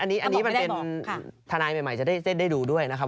อันนี้มันเป็นทนายใหม่จะได้ดูด้วยนะครับ